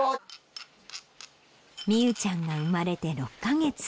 みゆちゃんが生まれて６カ月。